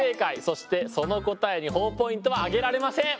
そしてその答えにほぉポイントはあげられません。